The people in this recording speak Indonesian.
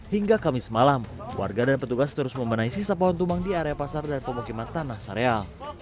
hingga kamis malam warga dan petugas terus membenahi sisa pohon tumbang di area pasar dan pemukiman tanah sareal